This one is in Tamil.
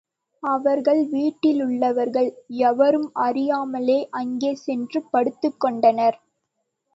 அவர்கள் வீட்டிலுள்ளவர் எவரும் அறியாமலே அங்கே சென்று படுத்துக்கொண்டனர்.